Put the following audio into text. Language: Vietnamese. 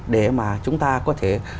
để mà chúng ta có thể